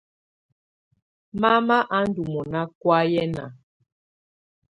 Mama á ndɔ́ mɔna kɔ̀áyɛna.